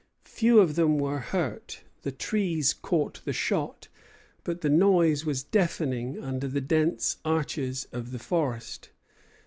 Few of them were hurt; the trees caught the shot, but the noise was deafening under the dense arches of the forest.